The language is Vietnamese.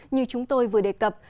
như chúng tôi vừa đề cập